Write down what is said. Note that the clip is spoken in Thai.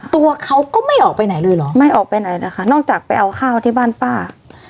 ตัวเขาก็ไม่ออกไปไหนเลยเหรอไม่ออกไปไหนนะคะนอกจากไปเอาข้าวที่บ้านป้า